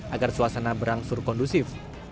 agar suasana berangsur kondusif